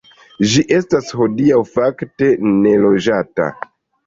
Ĝi estas hodiaŭ fakte neloĝata.